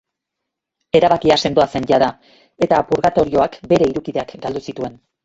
Erabakia sendoa zen jada eta purgatorioak bere hiru kideak galdu zituen.